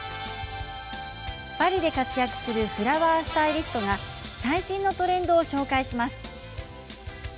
パリで活躍するフラワースタイリストが最新のトレンドを紹介します。